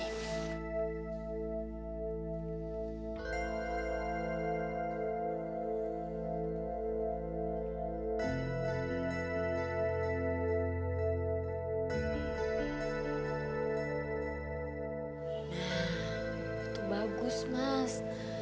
itu bagus mas